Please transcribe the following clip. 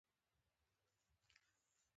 نوې خبرې تازه فکرونه راوړي